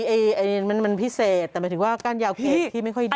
อันนี้มันพิเศษแต่หมายถึงว่าก้านยาวขีดที่ไม่ค่อยดี